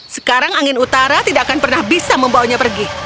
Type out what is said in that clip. sekarang angin utara tidak akan pernah bisa membawanya pergi